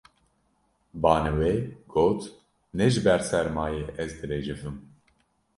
Baniwê got: Ne ji ber sermayê ez direcifim